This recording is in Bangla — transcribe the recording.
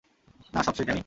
না, সব শেষ, ড্যানি!